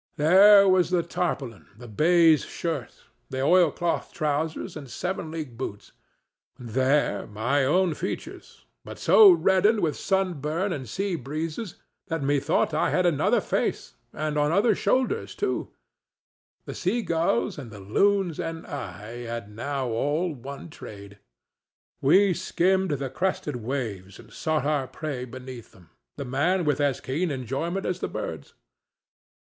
There was the tarpaulin, the baize shirt, the oilcloth trousers and seven league boots, and there my own features, but so reddened with sunburn and sea breezes that methought I had another face, and on other shoulders too. The seagulls and the loons and I had now all one trade: we skimmed the crested waves and sought our prey beneath them, the man with as keen enjoyment as the birds.